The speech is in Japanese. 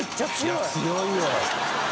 いや強いよ。